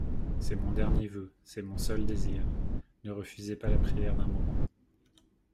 C'est mon dernier voeu, c'est mon seul désir ; ne refusez pas la prière d'un mourant.